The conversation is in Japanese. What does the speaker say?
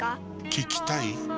聞きたい？